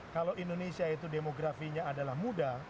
kalau indonesia itu demografinya adalah muda